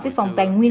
với phòng tàn nguyên